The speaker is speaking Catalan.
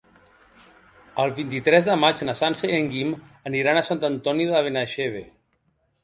El vint-i-tres de maig na Sança i en Guim aniran a Sant Antoni de Benaixeve.